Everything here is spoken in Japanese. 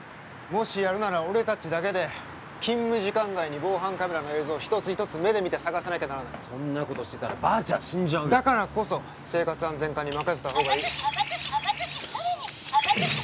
もしやるなら俺達だけで勤務時間外に防犯カメラの映像を一つ一つ目で見て捜さなきゃならないそんなことしてたらばあちゃん死んじゃうよだからこそ生活安全課に任せた方がいいはばたけ